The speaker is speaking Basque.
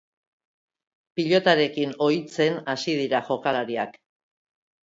Pilotarekin ohitzen hasi dira jokalariak.